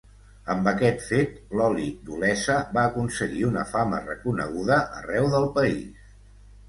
Amb aquest fet l'oli d'Olesa va aconseguir una fama reconeguda arreu del país.